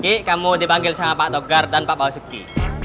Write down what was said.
oke kamu dibanggil sama pak togar dan pak bahasuki